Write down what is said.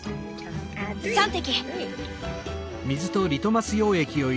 ３滴。